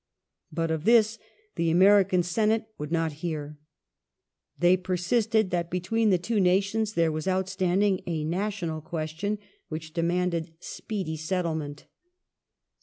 But of this the American Senate would not hear. They persisted that between the two nations there was outstanding a national question which demanded speedy settlement.